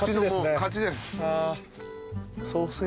勝ちです。